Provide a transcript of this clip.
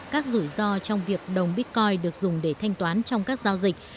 các rủi ro trong việc đồng bitcoin được dùng để thanh toán trong các giao dịch